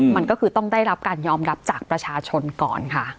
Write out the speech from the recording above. มันก็คือต้องได้รับการยอมรับจากประชาชนก่อนค่ะ